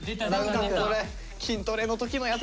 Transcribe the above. これ筋トレの時のやつ。